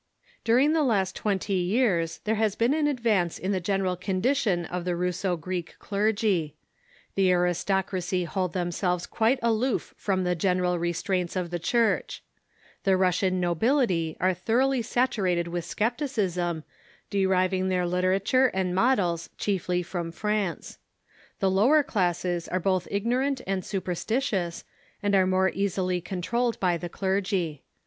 During the last twenty years there has been advance in the general condition of the Russo Greek clergy. The aristocracy Present State ^^^^^ themselves quite aloof from the general re of the Russian straints of the Church. The Russian nobility are Church thoroughly saturated with scepticism, deriving their literature and models chiefly from France. The lower classes are both ignorant and superstitious, and are more easily controlled by the clergy.